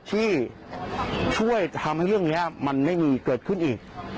ที่ช่วยทำให้เรื่องนี้มันไม่มีเกิดขึ้นอีก